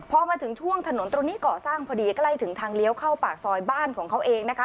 พอมาถึงช่วงถนนตรงนี้ก่อสร้างพอดีใกล้ถึงทางเลี้ยวเข้าปากซอยบ้านของเขาเองนะคะ